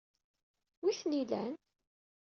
Wi ten-ilan?